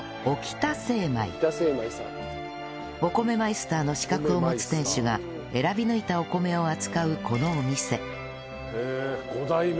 お米マイスターの資格を持つ店主が選び抜いたお米を扱うこのお店へえ５代目。